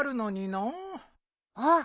あっ！